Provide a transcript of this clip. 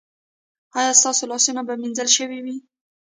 ایا ستاسو لاسونه به مینځل شوي وي؟